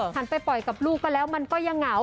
ไปปล่อยกับลูกก็แล้วมันก็ยังเหงา